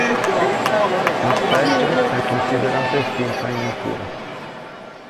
La specie è considerata estinta in natura.